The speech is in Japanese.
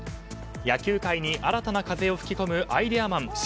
野球界に新たな風を吹き込むアイデアマン